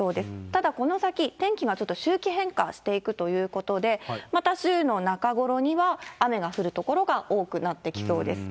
ただこの先、天気がちょっと周期変化していくということで、また週の中ごろには、雨が降る所が多くなってきそうです。